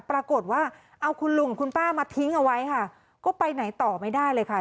ปรากฏว่าเอาคุณลุงคุณป้ามาทิ้งเอาไว้ค่ะก็ไปไหนต่อไม่ได้เลยค่ะ